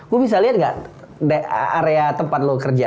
lo bisa lihat nggak area tempat lo kerja